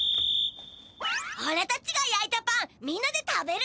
おらたちがやいたパンみんなで食べるだ。